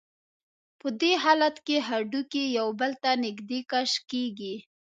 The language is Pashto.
په دې حالت کې هډوکي یو بل ته نږدې کش کېږي.